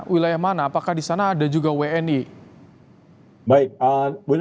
wilayah mana apakah di sana ada juga wni